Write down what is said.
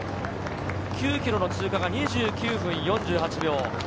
９ｋｍの通過が２９分４８秒。